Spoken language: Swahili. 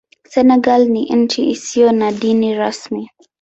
Senegal ni nchi isiyo na dini rasmi.